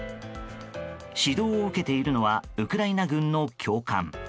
指導を受けているのはウクライナ軍の教官。